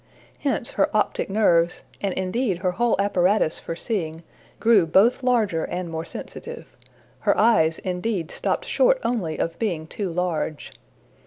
Hence her optic nerves, and indeed her whole apparatus for seeing, grew both larger and more sensitive; her eyes, indeed, stopped short only of being too large.